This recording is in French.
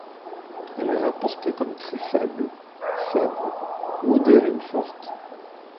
Elle est rapportée comme très faible, faible, modérée ou forte.